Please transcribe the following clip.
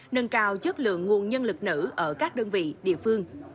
nâng cao chất lượng nguồn nhân lực nữ ở các đơn vị địa phương